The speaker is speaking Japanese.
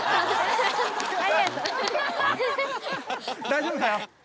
「大丈夫だよ」。